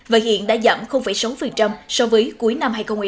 và hiện đã giảm sáu so với cuối năm hai nghìn một mươi ba